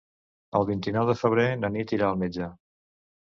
El vint-i-nou de febrer na Nit irà al metge.